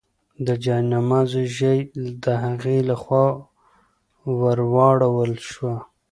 د جاینماز ژۍ د هغې لخوا ورواړول شوه.